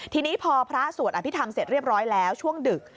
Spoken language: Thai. ทีนี้พอพระสวดอภิษฐรรมเสร็จเรียบร้อยแล้วช่วงดึก